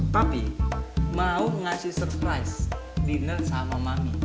tapi mau ngasih surprise dinner sama mami